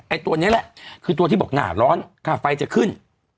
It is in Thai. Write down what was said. ตัวนี้แหละคือตัวที่บอกหนาร้อนค่าไฟจะขึ้น